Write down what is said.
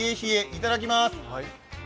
いただきます。